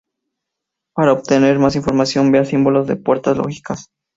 Para obtener más información, vea símbolos de puertas lógicas.